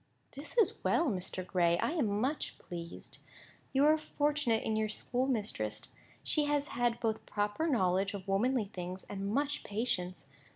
"This is well, Mr. Gray. I am much pleased. You are fortunate in your schoolmistress. She has had both proper knowledge of womanly things and much patience.